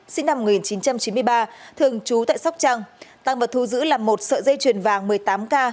sinh năm một nghìn chín trăm chín mươi ba thường trú tại sóc trăng tăng vật thu giữ là một sợi dây chuyền vàng một mươi tám k